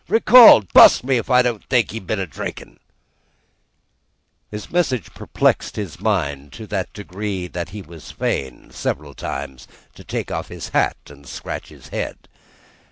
Recalled ! Bust me if I don't think he'd been a drinking!" His message perplexed his mind to that degree that he was fain, several times, to take off his hat to scratch his head.